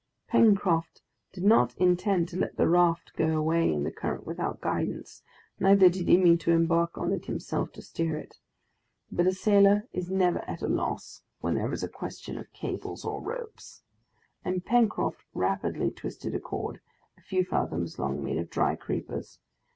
Pencroft did not intend to let the raft go away in the current without guidance, neither did he mean to embark on it himself to steer it. But a sailor is never at a loss when there is a question of cables or ropes, and Pencroft rapidly twisted a cord, a few fathoms long, made of dry creepers.